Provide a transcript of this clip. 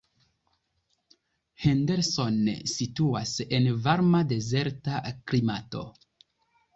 Henderson situas en varma dezerta klimato.